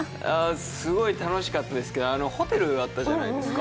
すごい楽しかったですけど、ホテルあったじゃないですか。